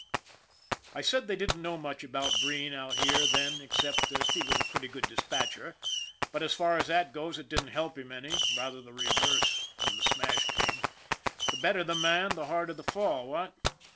I said they didn't know much about Breen out here then except that he was a pretty good dispatcher, but as far as that goes it didn't help him any, rather the reverse, when the smash came. The better the man the harder the fall, what?